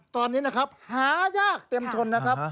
ตอนนี้นะครับหายากเต็มทนนะครับ